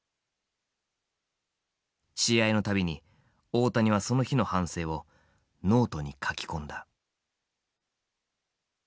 試合の度に大谷はその日の反省をノートに書き込んだ。